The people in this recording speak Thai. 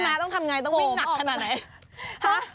ต้องทำไงต้องวิ่งหนักขนาดไหน